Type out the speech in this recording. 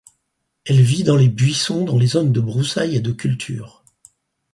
Elle vit dans les buissons dans les zones de broussailles et de culture.